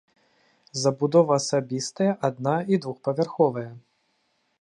Забудова асабістая адна- і двухпавярховая.